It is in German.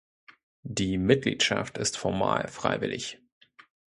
Die Mitgliedschaft ist formal freiwillig.